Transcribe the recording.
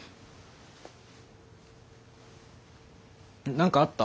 何かあった？